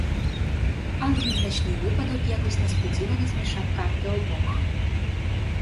Але незначний випадок якось несподівано змішав карти обох.